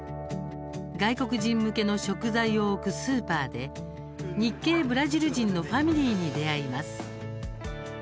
外国人向けの食材を置くスーパーで日系ブラジル人のファミリーに出会います。